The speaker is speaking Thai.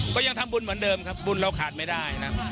ก็ยังทำบุญเหมือนเดิมครับบุญเราขาดไม่ได้นะ